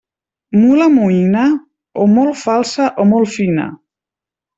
Mula moïna, o molt falsa o molt fina.